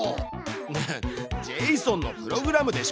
いやジェイソンのプログラムでしょ？